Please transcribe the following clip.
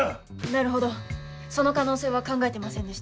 なるほどその可能性は考えていませんでした。